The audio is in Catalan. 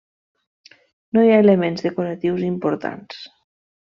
No hi ha elements decoratius importants.